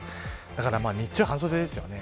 だから、日中は半袖ですよね。